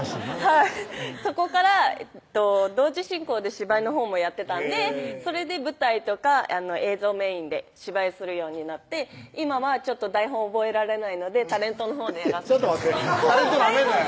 はいそこから同時進行で芝居のほうもやってたんでそれで舞台とか映像メインで芝居するようになって今は台本覚えられないのでタレントのほうでちょっと待ってタレントなめんなよ